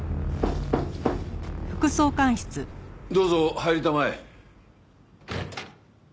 どうぞ入りたまえ。